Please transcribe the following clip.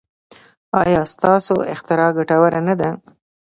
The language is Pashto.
ایا ستاسو اختراع ګټوره نه ده؟